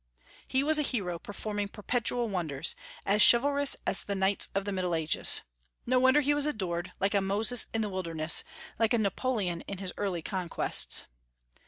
He was a hero performing perpetual wonders, as chivalrous as the knights of the Middle Ages. No wonder he was adored, like a Moses in the wilderness, like a Napoleon in his early conquests.